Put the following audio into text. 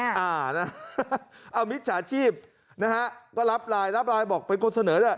เอามิจฉาชีพนะฮะก็รับไลน์รับไลน์บอกเป็นคนเสนอด้วย